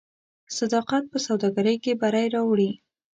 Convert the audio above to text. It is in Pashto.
صداقت په سوداګرۍ کې بری راوړي.